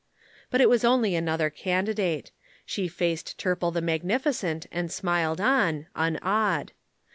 But it was only another candidate. She faced Turple the magnificent and smiled on, unawed.